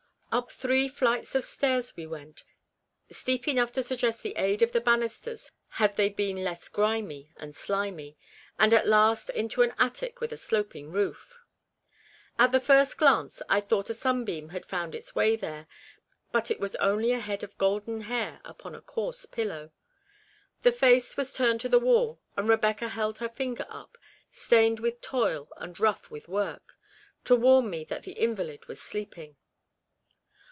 Up three flights of stairs we went, steep enough to suggest the aid of the ban isters had they been less grimy and slimy, and at last into an attic with a sloping roof. At the first glance, I thought a sunbeam had found its way there ; but it was only a head of golden hair upon a coarse pillow. The face was turned to the wall, and Rebecca held her finger up stained with toil and rough with work to warn me that the invalid was sleeping.